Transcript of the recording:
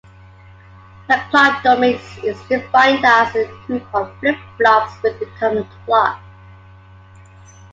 A "clock domain" is defined as a group of flip-flops with a common clock.